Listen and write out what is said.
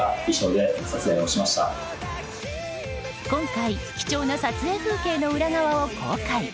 今回、貴重な撮影風景の裏側を公開。